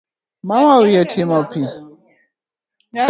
Mama wiye otimo pi